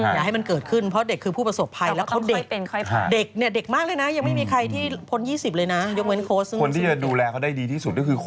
อย่าให้มันเกิดขึ้นเพราะเด็กคือผู้ประสบภัย